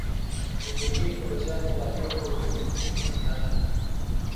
د ګرګين پوځيانو له خپلو اوږو ټوپکونه کښته کړل.